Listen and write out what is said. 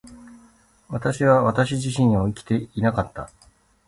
私は私自身を生きていなかった。